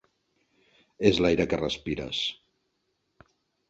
És l'aire que respires.